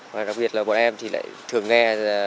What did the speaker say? và đặc biệt là bọn em thì lại thường nghe